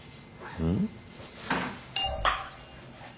うん？